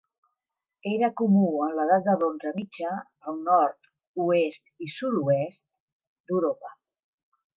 Era comú en l'edat de bronze mitjà al nord, oest i sud-oest d'Europa.